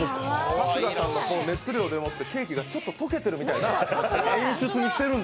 春日さんの熱量でもって、ケーキがちょっと溶けてるような演出にしてるんだ。